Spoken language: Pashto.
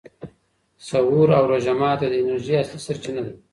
سحور او روژه ماتي د انرژۍ اصلي سرچینه ده.